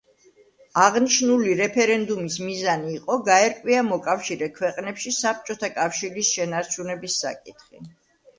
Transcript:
აღნიშნული რეფერენდუმის მიზანი იყო გაერკვია მოკავშირე ქვეყნებში საბჭოთა კავშირის შენარჩუნების საკითხი.